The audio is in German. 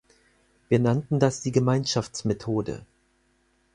Wir nannten das die Gemeinschaftsmethode.